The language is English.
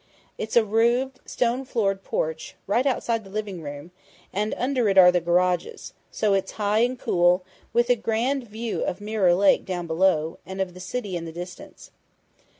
It's a roofed, stone floored porch, right outside the living room, and under it are the garages, so it's high and cool, with a grand view of Mirror Lake down below, and of the city in the distance."